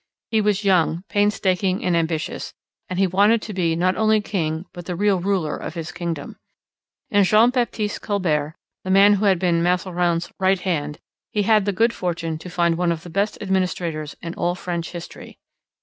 He was young, painstaking, and ambitious; and he wanted to be not only king but the real ruler of his kingdom. In Jean Baptiste Colbert, the man who had been Mazarin's right hand, he had the good fortune to find one of the best administrators in all French history.